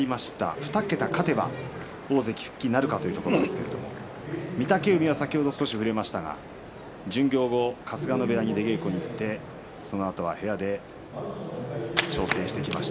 ２桁勝てば大関復帰なるかというところですけれども御嶽海は先ほど少し触れましたが巡業後春日野部屋に出稽古に行ってそのあとは部屋で調整してきました。